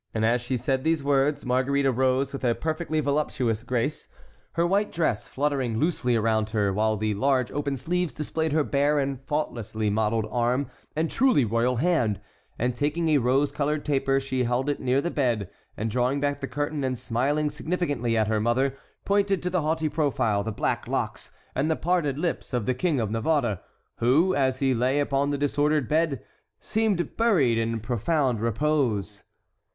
As she said these words Marguerite arose with a perfectly voluptuous grace, her white dress fluttering loosely around her, while the large open sleeves displayed her bare and faultlessly modelled arm and truly royal hand, and taking a rose colored taper she held it near the bed, and drawing back the curtain, and smiling significantly at her mother, pointed to the haughty profile, the black locks, and the parted lips of the King of Navarre, who, as he lay upon the disordered bed, seemed buried in profound repose.